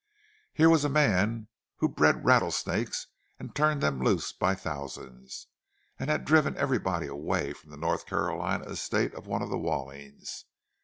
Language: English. Here was a man who bred rattlesnakes and turned them loose by thousands, and had driven everybody away from the North Carolina estate of one of the Wallings.